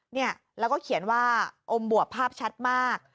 เนี่ยแล้วก็เขียนว่าอมบวบภาพชัดมาก